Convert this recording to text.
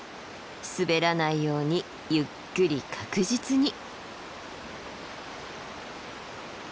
滑らないようにゆっくり確実に。